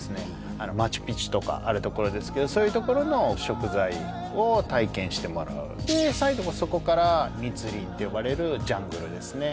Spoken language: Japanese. あのマチュ・ピチュとかあるところですけどそういうところの食材を体験してもらうで最後そこから密林って呼ばれるジャングルですね